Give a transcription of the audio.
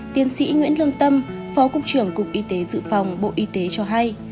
tiến sĩ nguyễn lương tâm phó cục trưởng cục y tế dự phòng bộ y tế cho hay